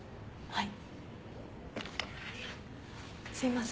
はい。